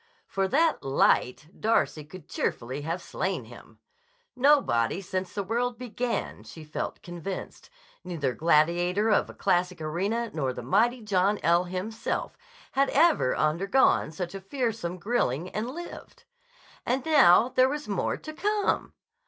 For that "light" Darcy could cheerfully have slain him. Nobody since the world began, she felt convinced, neither gladiator of the classic arena nor the mighty John L. himself, had ever undergone such a fearsome grilling and lived. And now there was more to come.